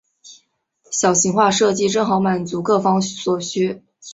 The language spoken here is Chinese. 小型化设计正好满足各方所需。